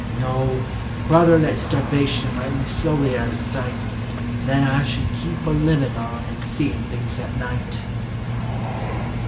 No, rut her let Starvation wipe me slowly out o' sight Than I should keep a livin' on an' seein' things at night